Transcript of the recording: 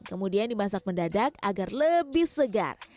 kemudian dimasak mendadak agar lebih segar